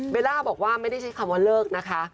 ล่าบอกว่าไม่ได้ใช้คำว่าเลิกนะคะ